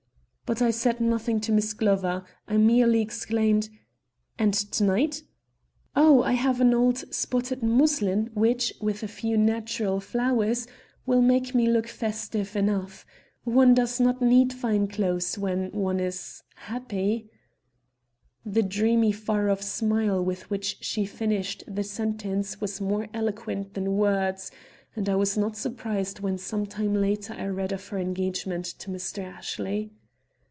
But I said nothing to Miss Glover. I merely exclaimed: "And to night?" "Oh, I have an old spotted muslin which, with a few natural flowers, will make me look festive enough. One does not need fine clothes when one is happy." The dreamy far off smile with which she finished the sentence was more eloquent than words, and I was not surprised when some time later I read of her engagement to Mr. Ashley.